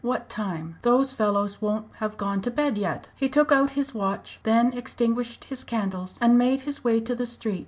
What time? those fellows won't have gone to bed yet!" He took out his watch, then extinguished his candles, and made his way to the street.